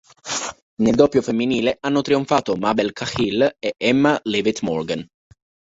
Nel doppio femminile hanno trionfato Mabel Cahill e Emma Leavitt Morgan.